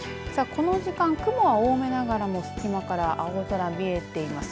この時間雲は多めながらも隙間から青空が見えています。